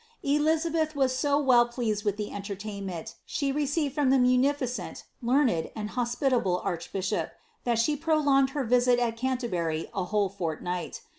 Elizabeth was so well pleased witli the entertainment she received from the munificent, learned, and hospitable archbishop, that she pro* longed her stay at Canterbury a whole fortnight.